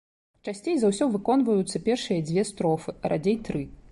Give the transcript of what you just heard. Часцей за ўсё выконваюцца першыя дзве строфы, радзей тры.